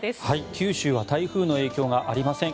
九州は台風の影響がありません。